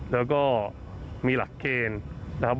แล้วก็มีหลักเกณฑ์นะครับ